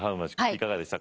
いかがでしたか？